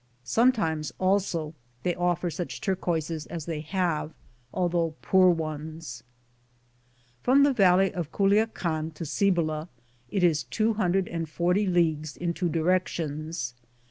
Sometimes, also, they offer such turquoises as they have, although poor ones. From the valley of Culkcan to Cibola it is 240 leagues in two directions.